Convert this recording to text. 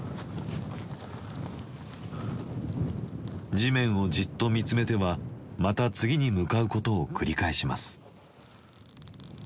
地面をじっと見つめてはまた次に向かうことを繰り返します。